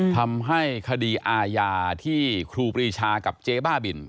ทำให้คดีอาญาที่ครูปรีชากับเจ๊บ้าบิน